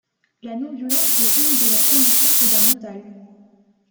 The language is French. La non-violence est une de leurs convictions fondamentales.